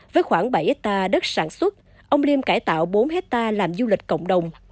với khoảng bảy hectare đất sản xuất ông liêm cải tạo bốn hectare làm du lịch cộng đồng